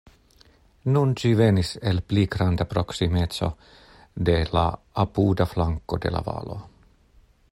Nun ĝi venis el pli granda proksimeco de la apuda flanko de la valo.